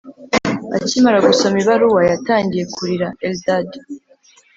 akimara gusoma ibaruwa, yatangiye kurira. eldad